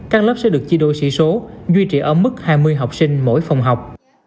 các lớp sẽ được chi đôi sỉ số duy trì ở mức hai mươi học sinh mỗi phòng học